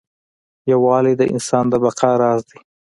یووالی د انسان د بقا راز دی.